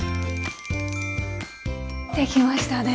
できましたね。